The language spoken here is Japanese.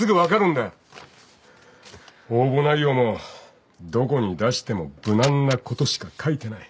応募内容もどこに出しても無難なことしか書いてない。